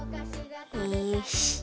よし。